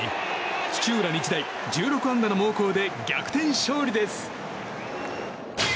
土浦日大、１６安打の猛攻で逆転勝利です。